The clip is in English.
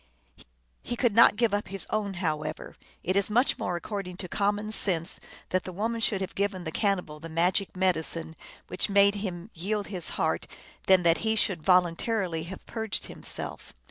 He could not give up his own, however. It is much more according to common sense that the woman should have given the cannibal the magic medicine which made him yield his heart than that he should voluntarily have purged himself.